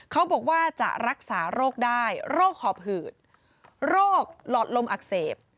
เขาบอกว่าจะรักษาโรคได้โรคหอบหืดโรคหลอดลมอักเสบ